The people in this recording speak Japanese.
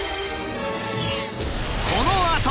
このあと。